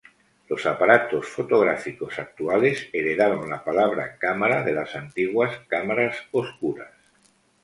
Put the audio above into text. Los aparatos fotográficos actuales heredaron la palabra cámara de las antiguas cámaras oscuras.